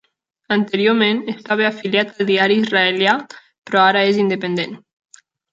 Anteriorment estava afiliat al diari israelià, però ara és independent.